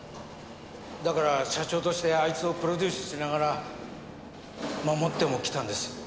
だから社長としてあいつをプロデュースしながら守ってもきたんです。